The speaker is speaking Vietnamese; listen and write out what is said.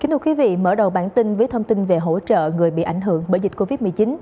thưa quý vị mở đầu bản tin với thông tin về hỗ trợ người bị ảnh hưởng bởi dịch covid một mươi chín